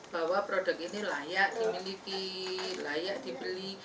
bahwa produk ini layak dimiliki layak dibeli